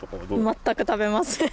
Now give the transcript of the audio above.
全く食べません。